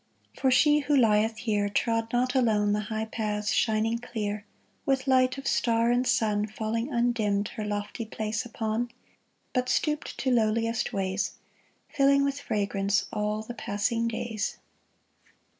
For she who lieth here Trod not alone the high paths shining clear, With light of star and sun Falling undimmed her lofty place upon ; But stooped to lowliest ways, Filling with fragrance all the passing days